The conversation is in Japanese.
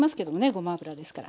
ごま油ですから。